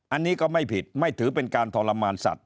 อันนี้ก็ไม่ผิดไม่ถือเป็นการทรมานสัตว